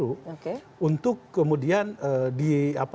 untuk merekrut juga termasuk diantaranya gue